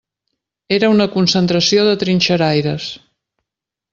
Era una concentració de trinxeraires.